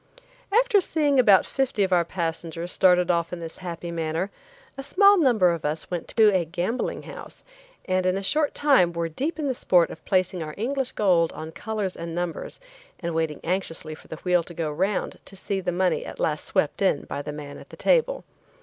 After seeing about fifty of our passengers started off in this happy manner, a smaller number of us went to a gambling house, and in a short time were deep in the sport of placing our English gold on colors and numbers and waiting anxiously for the wheel to go 'round to see the money at last swept in by the man at the table.